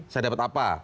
saya dapat apa